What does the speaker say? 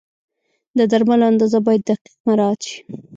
د درملو اندازه باید دقیق مراعت شي.